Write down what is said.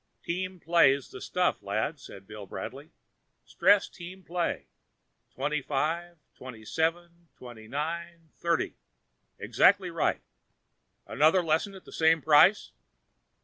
"Team play's the stuff, lad," said Bill Bradley. "Stress team play. Twenty five, twenty seven, twenty nine, thirty. Exactly right. Another lesson at the same price?"